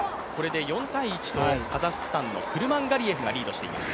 ４−１と、カザフスタンのクルマンガリエフがリードしています。